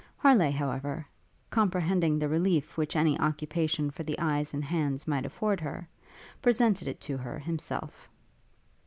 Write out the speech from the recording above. Harleigh, however, comprehending the relief which any occupation for the eyes and hands might afford her, presented it to her himself.